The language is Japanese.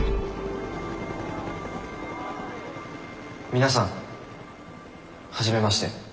皆さん初めまして。